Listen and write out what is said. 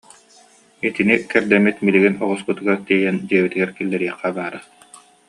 Итини кэрдэммит билигин оҕуспутугар тиэйэн дьиэбитигэр киллэриэххэ баар